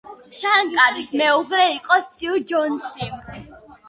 შანკარის მეუღლე იყო სიუ ჯონსი.